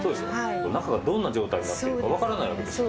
中がどんな状態になってるかわからないわけですよ。